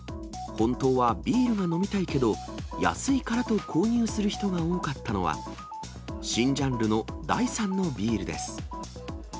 本当はビールが飲みたいけど、安いからと購入する人が多かったのは、新ジャンルの第三のビールです。